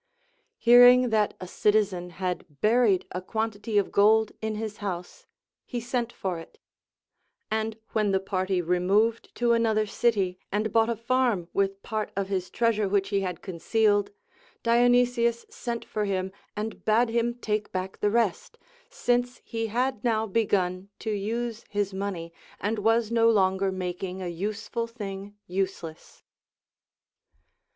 Hearing that a citizen had buried a quantity of gold in his house, he sent for it ; and when the party removed to an other city, and bought a farm Avith part of his treasure which he had concealed, Dionysius sent for him and bade him take back the rest, since he had now begun to use his money, and was no longer making a useful thing useless.